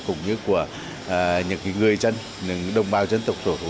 cũng như của những cái người dân những đồng bào dân tộc sổ thủ